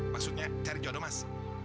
maksudnya cari jodoh mas